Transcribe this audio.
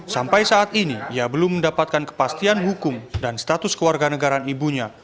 sampai saat ini ia belum mendapatkan kepastian hukum dan status keluarga negaraan ibunya